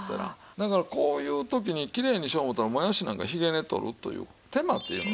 だからこういう時にきれいにしよう思ったらもやしなんかひげ根取るという手間っていうのがね